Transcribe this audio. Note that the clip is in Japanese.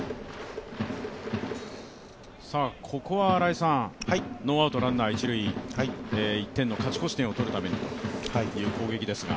ここはノーアウトランナー一塁、１点の勝ち越し点を取るためにという攻撃ですが。